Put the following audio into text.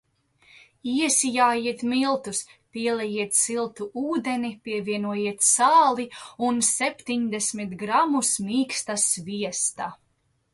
Iesijājiet miltus, pielejiet siltu ūdeni, pievienojiet sāli un septiņdesmit gramus mīksta sviesta.